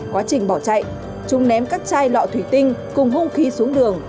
quá trình bỏ chạy chúng ném các chai lọ thủy tinh cùng hung khí xuống đường